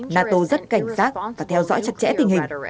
nato rất cảnh giác và theo dõi chặt chẽ tình hình